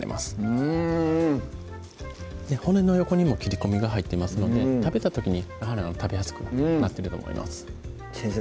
うん骨の横にも切り込みが入っていますので食べた時にやはり食べやすくなってると思います先生